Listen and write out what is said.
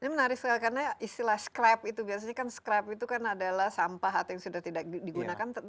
ini menarik sekali karena istilah scrap itu biasanya kan scrap itu kan adalah sampah atau yang sudah tidak digunakan